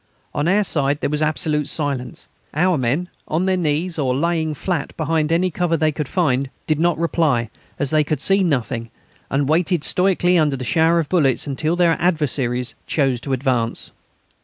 On our side there was absolute silence. Our men, on their knees or lying flat behind any cover they could find, did not reply, as they could see nothing, and waited stoically under the shower of bullets until their adversaries chose to advance.